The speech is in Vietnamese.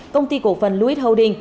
công ty cổ phần louis holding